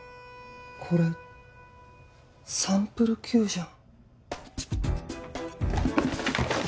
これサンプルＱじゃん